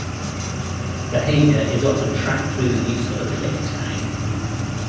Behavior is often tracked through the use of a click tag.